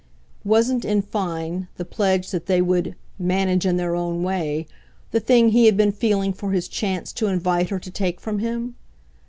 Wasn't, in fine, the pledge that they would "manage in their own way" the thing he had been feeling for his chance to invite her to take from him?